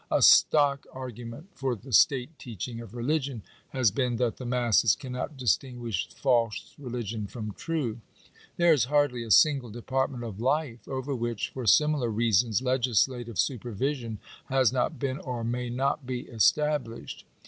A stock argument for the state teaching of religion has been that the masses cannot distinguish false religion from true. There is hardly a single department of life over which, for similar reasons, legislative supervision has not been, or may not be, established.